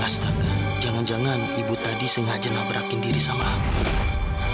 jangan jangan ibu tadi sengaja nabrakin diri sama aku